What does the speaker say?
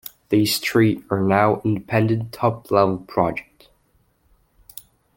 These three are now independent top-level projects.